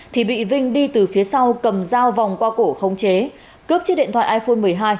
thì bị vinh đi từ phía sau cầm dao vòng qua cổ khống chế cướp chiếc điện thoại iphone một mươi hai